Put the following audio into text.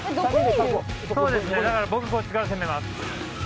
そうですねだから僕こっちから攻めます。